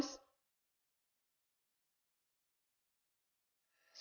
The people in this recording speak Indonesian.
seharusnya kamu bisa kasih tau ke aku mas